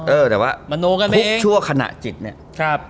เออแต่ว่าทุกชั่วขณะจิตเนี่ย